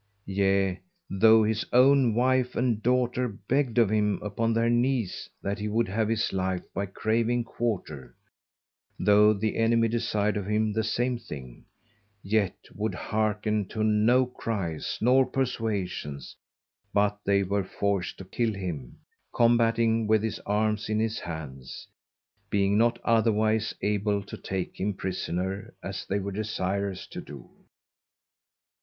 Yea, though his own Wife and Daughter begged of him upon their knees that he would have his life by craving quarter, though the Enemy desired of him the same thing; yet would hearken to no cries nor perswasions, but they were forced to kill him, combating with his Arms in his hands, being not otherwise able to take him Prisoner, as they were desirous to do.